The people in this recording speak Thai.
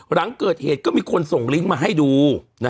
หลังเกิดเหตุก็มีคนส่งลิงก์มาให้ดู